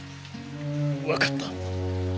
分かった。